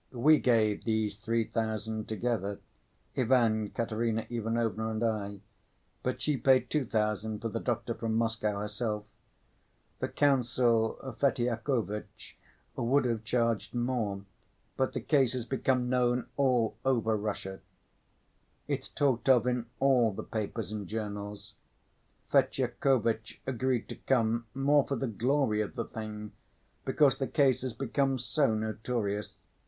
"We gave these three thousand together—Ivan, Katerina Ivanovna and I—but she paid two thousand for the doctor from Moscow herself. The counsel Fetyukovitch would have charged more, but the case has become known all over Russia; it's talked of in all the papers and journals. Fetyukovitch agreed to come more for the glory of the thing, because the case has become so notorious.